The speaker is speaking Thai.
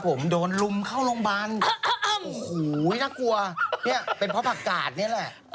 ผมโดนลุมเข้าโรงพยาบาลโอ้โหน่ากลัวเนี่ยเป็นเพราะผักกาดนี่แหละ